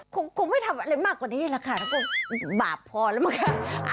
คงไม่ทำอะไรมากกว่านี้แหละค่ะแล้วก็บาปพอแล้วมั้ง